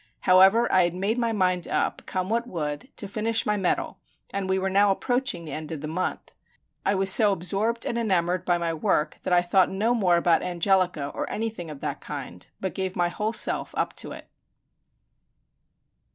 However, I had made my mind up, come what would, to finish my medal, and we were now approaching the end of the month. I was so absorbed and enamored by my work that I thought no more about Angelica or anything of that kind, but gave my whole self up to it.